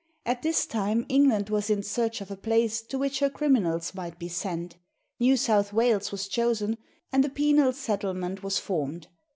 At this time England was in search of a place to which her criminals might be sent. New South Wales was chosen, and a penal settlement was formed.